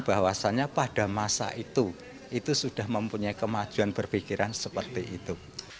bahwasannya pada masa itu itu sudah mempunyai kemajuan berpikiran seperti itu